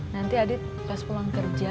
nanti adit pas pulang kerja